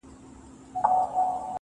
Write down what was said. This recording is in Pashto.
لکه ملاچی جنازه دزیرووبم اوباسی